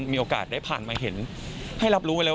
มีโอกาสได้ผ่านมาเห็นให้รับรู้ไว้แล้ว